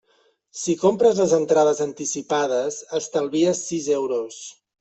Si compres les entrades anticipades estalvies sis euros.